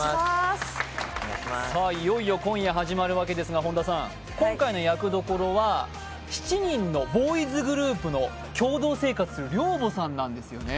いよいよ今夜始まるわけですが本田さん、今回の役どころは７人のボーイズグループの共同生活の寮母さんなんですよね